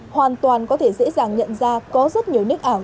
hoàn toàn có thể dễ dàng nhận ra có rất nhiều nick ảo